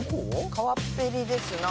川っぺりですな。